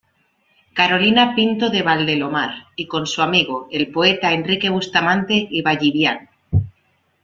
Carolina Pinto de Valdelomar, y con su amigo, el poeta Enrique Bustamante y Ballivián.